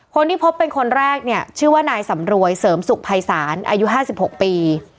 คนที่พบเป็นคนแรกเนี่ยชื่อว่านายสำรวยเสริมสุขภัยศาลอายุ๕๖ปี